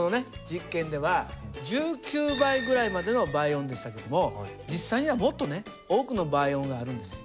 実験では１９倍ぐらいまでの倍音でしたけども実際にはもっとね多くの倍音があるんです。